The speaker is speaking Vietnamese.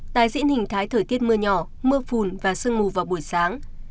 tài diện hình thái thời tiết mưa nhỏ mưa phùn và sương mù vào buổi sáng